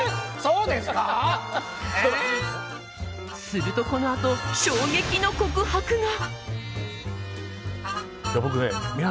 するとこのあと衝撃の告白が。